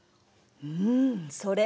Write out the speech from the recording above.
うんそれ